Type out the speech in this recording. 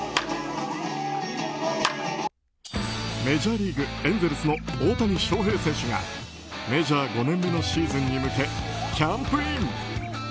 メジャーリーグ、エンゼルスの大谷翔平選手がメジャー５年目のシーズンに向けキャンプイン！